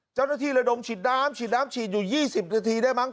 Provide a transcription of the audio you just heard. เจ้าหน้าที่ละดงฉีดน้ำฉีดน้ำฉีดอยู่๒๐นาทีได้มั้ง